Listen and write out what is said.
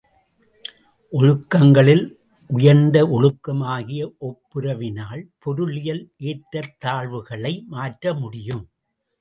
ஒழுக்கங்களில் உயர்ந்த ஒழுக்கமாகிய ஒப்புரவினால் பொருளியல் ஏற்றத் தாழ்வுகளை மாற்ற முடியும்.